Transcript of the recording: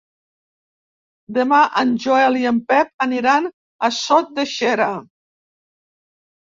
Demà en Joel i en Pep aniran a Sot de Xera.